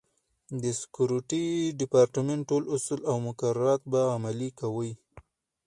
د سکورټي ډیپارټمنټ ټول اصول او مقررات به عملي کوي.